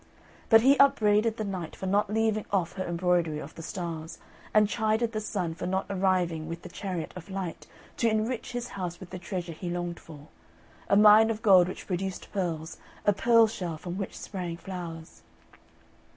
But he upbraided the Night for not leaving off her embroidery of the Stars, and chided the Sun for not arriving with the chariot of light to enrich his house with the treasure he longed for a mine of gold which produced pearls, a pearl shell from which sprang flowers.